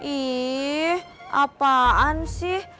ih apaan sih